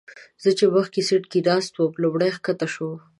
زه چې مخکې سیټ کې ناست وم لومړی ښکته شوم.